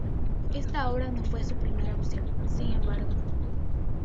Esta obra no fue su primera opción sin embargo.